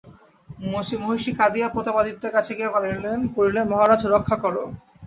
মহিষী কাঁদিয়া প্রতাপাদিত্যের কাছে গিয়া পড়িলেন, মহারাজ রক্ষা করো।